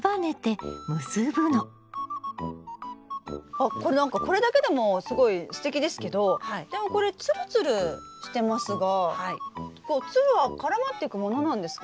あこれなんかこれだけでもすごいすてきですけどでもこれツルツルしてますがツルは絡まっていくものなんですか？